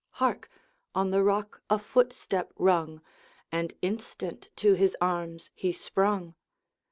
Hark! on the rock a footstep rung, And instant to his arms he sprung.